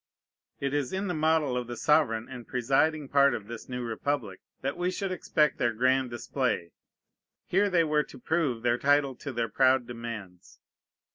It is in the model of the sovereign and presiding part of this new republic that we should expect their grand display. Here they were to prove their title to their proud demands.